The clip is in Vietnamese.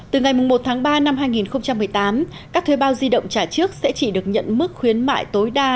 từ ngày một tháng ba năm hai nghìn một mươi tám các thuê bao di động trả trước sẽ chỉ được nhận mức khuyến mại tối đa